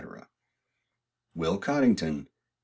"WILL COTTINGTON.